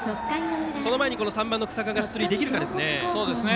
その前に３番、日下が出塁できるかですね。